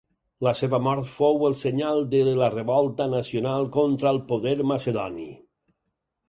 La seva mort fou el senyal de la revolta nacional contra el poder macedoni.